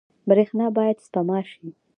برښنا باید سپما شي